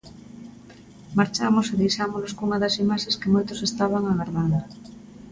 Marchamos e deixámolos cunha das imaxes que moitos estaban agardando.